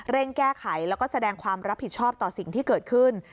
แก้ไขแล้วก็แสดงความรับผิดชอบต่อสิ่งที่เกิดขึ้น